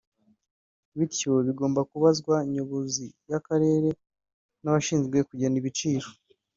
bityo bigomba kubazwa nyobozi y’Akarere n’abashinzwe kugena ibiciro